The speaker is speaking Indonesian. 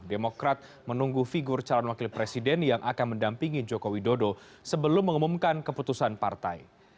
demokrat menunggu figur calon wakil presiden yang akan mendampingi joko widodo sebelum mengumumkan keputusan partai